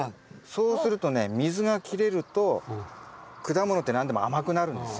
そうするとね水が切れると果物って何でも甘くなるんですよ。